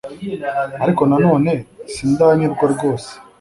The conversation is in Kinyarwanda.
ariko na none sindanyurwa rwose